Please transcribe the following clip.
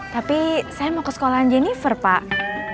tapi saya mau ke sekolahan jennifer pak